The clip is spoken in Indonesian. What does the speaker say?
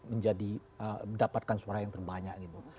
menjadi mendapatkan suara yang terbanyak gitu